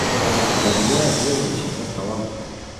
دەبووایە دوێنێ ئیشەکە تەواو بکەم.